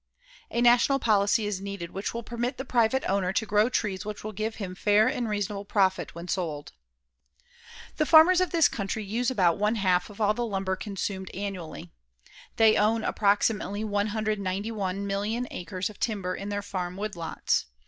A national policy is needed which will permit the private owner to grow trees which will give him fair and reasonable profit when sold. The farmers of this country use about one half of all the lumber consumed annually. They own approximately 191,000,000 acres of timber in their farm woodlots.